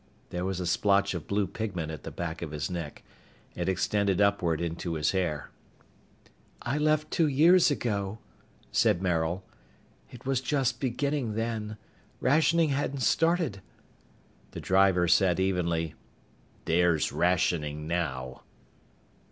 There was a splotch of blue pigment at the back of his neck. It extended upward into his hair. "I left two years ago," said Maril. "It was just beginning then. Rationing hadn't started." The driver said evenly, "There's rationing now!"